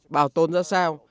bảo tồn ra sao